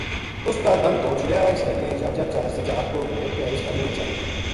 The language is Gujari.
اس کا دند توڑ چھُڑیا اسرائیل نے جھب جھب چادر سجا ہتھ پو بھلیٹ کے رچھ کا منہ ما چا دتی